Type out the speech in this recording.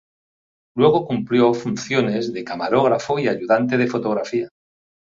Luego cumplió funciones de camarógrafo y ayudante de fotografía.